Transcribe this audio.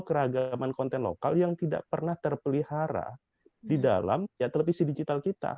keragaman konten lokal yang tidak pernah terpelihara di dalam televisi digital kita